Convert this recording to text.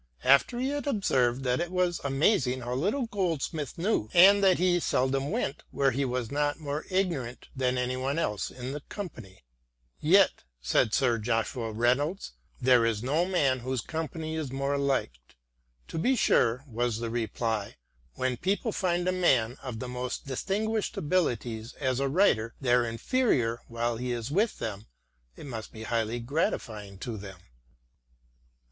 After he had observed that it was amazing how little Goldsmith knew and that he seldom went where he was not more ignorant than any one else in the company :" Yet," said Sir Joshua Reynolds, " there is no man whose company is more liked." "To be sure, sir," was the reply, " When people find a man of the most distinguished abilities as a writer their inferior while he is with them, it must be highly gratifying to them."